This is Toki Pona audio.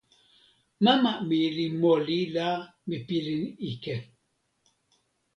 mama mi li moli la mi pilin ike.